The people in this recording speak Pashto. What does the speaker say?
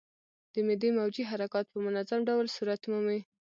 د معدې موجې حرکات په منظم ډول صورت مومي.